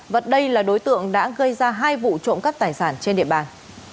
vật đây là đối tượng đã gây ra hai vụ trộm cắt tài sản trên địa bàn